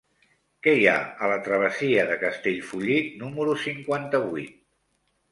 Què hi ha a la travessia de Castellfollit número cinquanta-vuit?